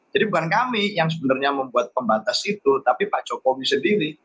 jadi bukan kami yang sebenarnya membuat pembatas itu tapi pak jokowi sendiri